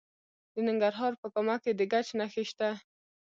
د ننګرهار په کامه کې د ګچ نښې شته.